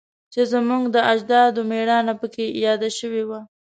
چې زموږ د اجدادو میړانه پکې یاده شوی وه